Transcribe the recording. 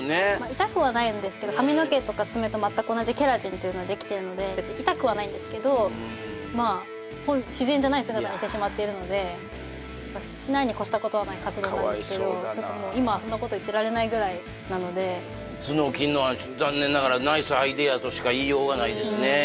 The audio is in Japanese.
痛くはないんですけど髪の毛とか爪と全く同じケラチンっていうのでできてるので痛くはないんですけどまあのでしないにこしたことはない活動なんですけど今はそんなこと言っていられないぐらいなので角を切るのは残念ながらナイスアイデアとしか言いようがないですね